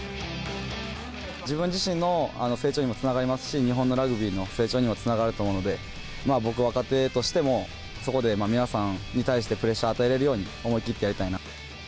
自分自身の成長にもつながりますし、日本のラグビーの成長にもつながると思うので、まあ、僕、若手としても、そこで皆さんに対してプレッシャー与えられるように、思い切ってやりたいなって。